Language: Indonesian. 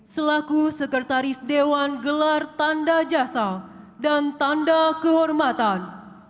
selaku sekretaris dewan gelar tanda jasa dan tanda kehormatan